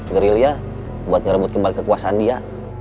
gerilya buat ngerebut kembali kekuasaan dia